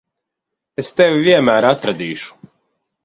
Es tevi vienmēr atradīšu.